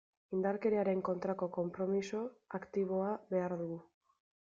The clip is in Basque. Indarkeriaren kontrako konpromiso aktiboa behar dugu.